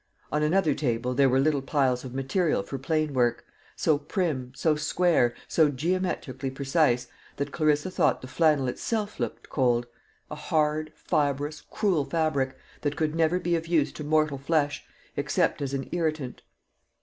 On another table there were little piles of material for plain work; so prim, so square, so geometrically precise, that Clarissa thought the flannel itself looked cold a hard, fibrous, cruel fabric, that could never be of use to mortal flesh except as an irritant.